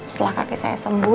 setelah kaki saya sembuh